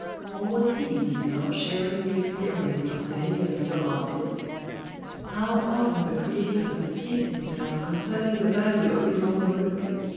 Or was he himself sharing the experience of many a fellow artist? How often the creator deceived himself concerning the value of his own work!